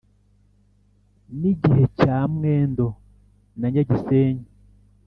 N’ igihe cya Mwendo na Nyagisenyi